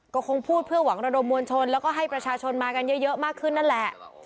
ก็คงพูดเพื่อหวังระดมมวลชนแล้วก็ให้ประชาชนมากันเยอะมากขึ้นนั่นแหละ